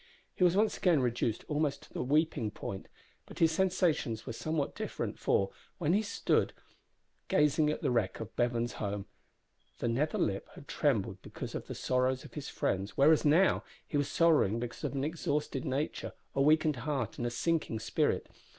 He was once again reduced almost to the weeping point, but his sensations were somewhat different for, when he had stood gazing at the wreck of Bevan's home, the nether lip had trembled because of the sorrows of friends, whereas now he was sorrowing because of an exhausted nature, a weakened heart, and a sinking spirit.